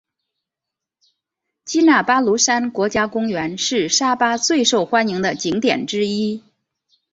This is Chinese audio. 基纳巴卢山国家公园是沙巴最受欢迎的景点之一。